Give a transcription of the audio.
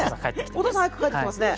お父さん早く帰ってきてますね。